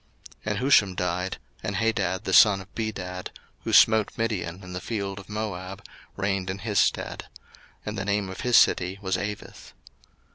01:036:035 And Husham died, and Hadad the son of Bedad, who smote Midian in the field of Moab, reigned in his stead: and the name of his city was Avith.